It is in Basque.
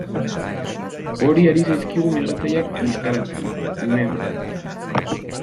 Hori ari zaizkigu migratzaileak bistaratzen, uneoro.